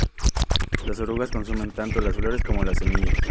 Las orugas consumen tanto las flores como las semillas.